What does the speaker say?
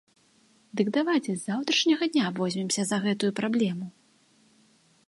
Дык давайце з заўтрашняга дня возьмемся за гэтую праблему!